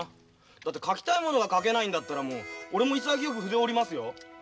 だって描きたいものが描けないんだったらもう俺も潔く筆を折りますよ。